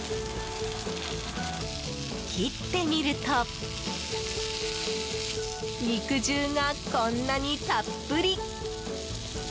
切ってみると肉汁がこんなにたっぷり。